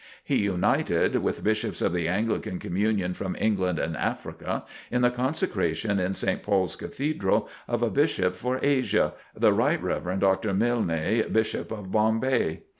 He united, with Bishops of the Anglican Communion from England and Africa, in the consecration, in St Paul's Cathedral, of a Bishop for Asia, the Rt. Rev., Dr. Mylne, Bishop of Bombay.